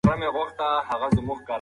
مېوې او غلې دانې ګټورې دي.